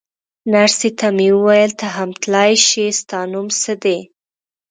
نرسې ته مې وویل: ته هم تلای شې، ستا نوم څه دی؟